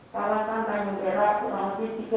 kalasan tanggung erat kurang lebih tiga puluh lima